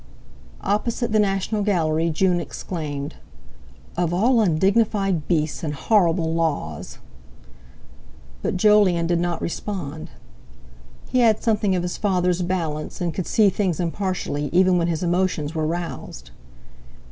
Opposite the National Gallery June exclaimed: "Of all undignified beasts and horrible laws!" But Jolyon did not respond. He had something of his father's balance, and could see things impartially even when his emotions were roused.